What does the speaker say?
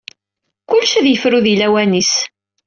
Kullec ad yefru di lawan-is.